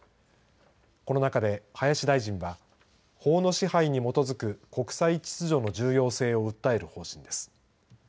この中で林大臣は法の支配に基づく国際秩序の重要性を訴える方針です。